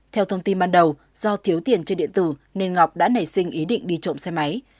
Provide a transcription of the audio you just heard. theo thông tin ban đầu do thiếu tiền trên điện tử nên ngọc đã nảy sinh ý định đi trộm xe máy